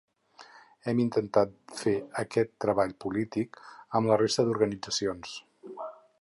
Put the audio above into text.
Hem intentat fer aquest treball polític amb la resta d’organitzacions.